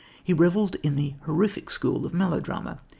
He revelled in the horrific school of melodrama.